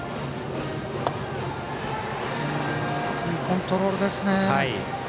いいコントロールですね。